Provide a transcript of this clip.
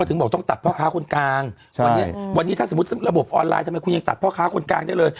ถึงบอกต้องตัดพ่อค้าคนกลางวันนี้วันนี้ถ้าสมมุติระบบออนไลน์ทำไมคุณยังตัดพ่อค้าคนกลางได้เลย